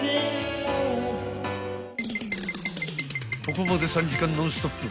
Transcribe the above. ［ここまで３時間ノンストップ］